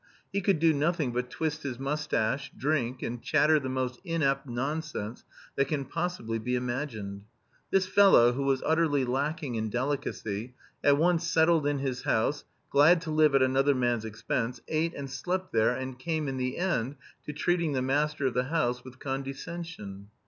He could do nothing but twist his moustache, drink, and chatter the most inept nonsense that can possibly be imagined. This fellow, who was utterly lacking in delicacy, at once settled in his house, glad to live at another man's expense, ate and slept there and came, in the end, to treating the master of the house with condescension.